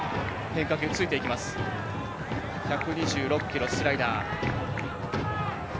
１２６キロ、スライダー。